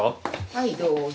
はいどうぞ。